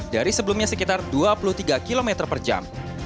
dari sebelumnya sekitar dua puluh tiga km per jam